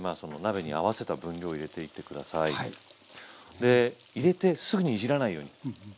で入れてすぐにいじらないように。